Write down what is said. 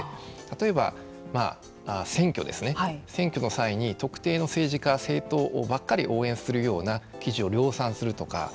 例えば選挙ですね選挙の際に特定の政治家政党ばっかり応援するような記事を量産するとか。